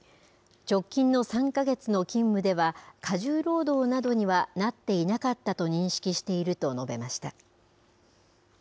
直近の３か月の勤務では、過重労働などにはなっていなかったと認識していると述べました。